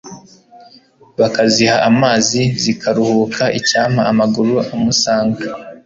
Bakaziha amazi zikaruhuka Icyampa amaguru amusanga